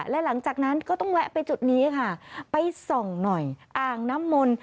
และหลังจากนั้นก็ต้องแวะไปจุดนี้ค่ะไปส่องหน่อยอ่างน้ำมนต์